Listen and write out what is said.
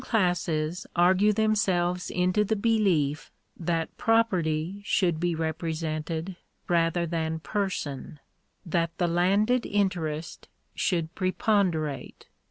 classes argue themselves into the belief that property should be represented rather than person— that the landed interest should preponderate.